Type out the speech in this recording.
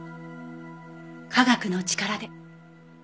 科学の力で。